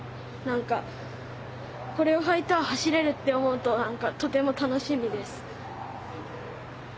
何かこれを履いたら走れるって思うととても楽しみです。